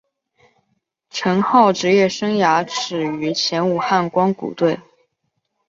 陈浩职业生涯始于前武汉光谷队。